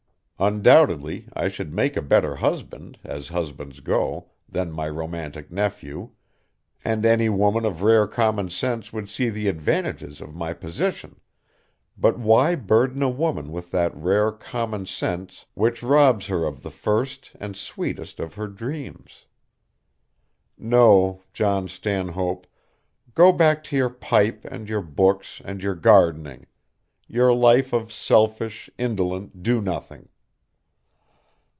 Undoubtedly I should make a better husband, as husbands go, than my romantic nephew, and any woman of rare common sense would see the advantages of my position, but why burden a woman with that rare common sense which robs her of the first and sweetest of her dreams? No, John Stanhope, go back to your pipe and your books and your gardening, your life of selfish, indolent do nothing.